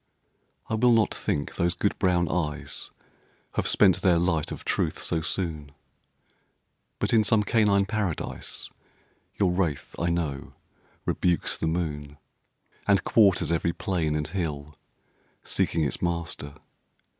I will not think those good brown eyes Have spent their light of truth so soon; But in some canine Paradise Your wraith, I know, rebukes the moon, And quarters every plain and hill Seeking its master.